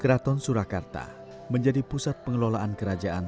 keraton surakarta menjadi pusat pengelolaan kerajaan